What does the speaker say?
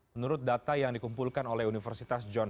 menurut data yang dikumpulkan oleh universitas john